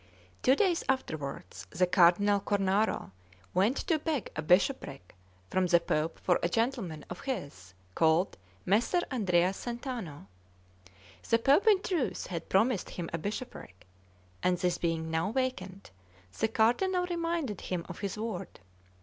CXIV TWO days afterwards the Cardinal Cornaro went to beg a bishopric from the Pope for a gentleman of his called Messer Andrea Centano. The Pope, in truth, had promised him a bishopric; and this being now vacant, the Cardinal reminded him of his word.